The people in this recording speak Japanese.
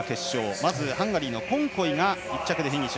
まずハンガリーのコンコイが１着でフィニッシュ。